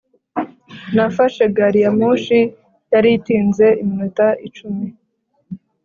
nafashe gari ya moshi, yari itinze iminota icumi